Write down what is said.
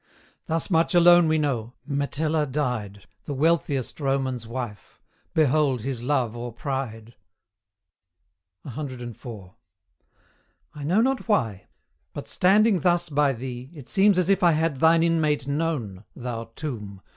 Thus much alone we know Metella died, The wealthiest Roman's wife: Behold his love or pride! CIV. I know not why but standing thus by thee It seems as if I had thine inmate known, Thou Tomb!